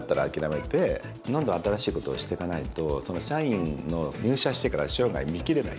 どんどん新しいことをしていかないとその社員の入社してから生涯見きれない。